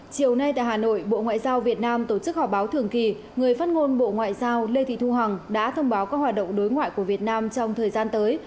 chiều nay tại hà nội bộ ngoại giao việt nam tổ chức họp báo thường kỳ người phát ngôn bộ ngoại giao lê thị thu hằng đã thông báo các hoạt động đối ngoại của việt nam trong thời gian tới